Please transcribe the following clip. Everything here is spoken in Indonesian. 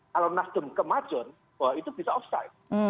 kalau nasdem kemajon itu bisa offside